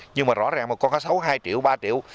nhưng mà rõ ràng là con cá sấu hai triệu ba triệu